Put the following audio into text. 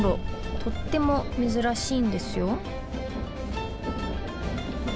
とってもめずらしいんですよ。